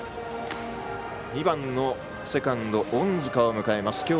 ２番のセカンド、隠塚を迎えます。